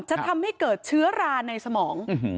จะทำให้เกิดเชื้อราในสมอง